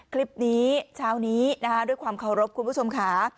คลิปนี้เช้านี้นะคะด้วยความเคารพคุณผู้ชมค่ะ